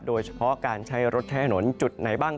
โดยเฉพาะการใช้รถใช้ถนนจุดไหนบ้าง